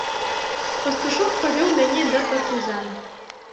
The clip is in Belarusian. Пастушок павёў мяне да партызан.